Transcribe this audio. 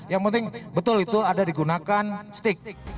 yang penting betul itu ada digunakan stick